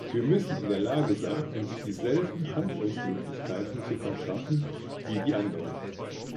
Wir müssen in der Lage sein, uns dieselben Handlungsmöglichkeiten zu verschaffen wie die anderen.